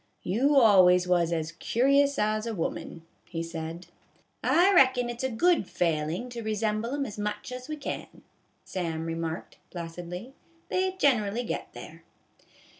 " You always was as curious as a woman," he said. " I reckon it 's a good failin' to resemble 'em as much as we can," Sam remarked, placidly ;" they generally get there."